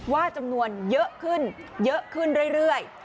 ว่าจำนวนเยอะขึ้นเยอะขึ้นเรื่อย